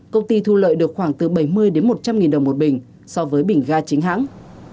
công ty thu lợi được khoảng từ bảy mươi đến một trăm linh nghìn đồng một bình so với bình ga chính hãng